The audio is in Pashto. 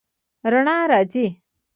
رڼا راځي